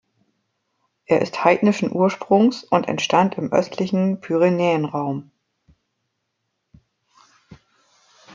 Er ist heidnischen Ursprungs und entstand im östlichen Pyrenäen-Raum.